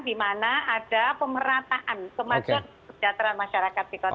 dimana ada pemerataan kemajuan sejahtera masyarakat di kota tangerang selatan